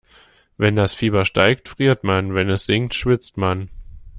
Wenn das Fieber steigt, friert man, wenn es sinkt, schwitzt man.